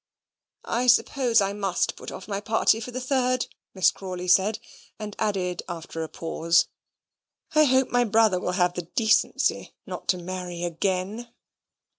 "I suppose I must put off my party for the 3rd," Miss Crawley said; and added, after a pause, "I hope my brother will have the decency not to marry again."